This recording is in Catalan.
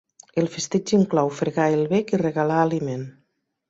El festeig inclou fregar el bec i regalar aliment.